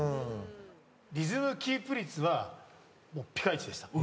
リズムキープ率はもうピカイチでした。